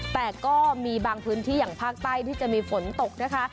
แต่ก็มีบางพื้นที่อย่างภาคใต้ที่จะมีฝนตกนะคะ